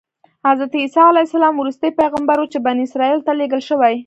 حضرت عیسی علیه السلام وروستی پیغمبر و چې بني اسرایلو ته لېږل شوی.